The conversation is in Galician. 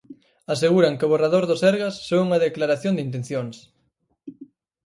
Aseguran que o borrador do Sergas só é unha declaración de intencións.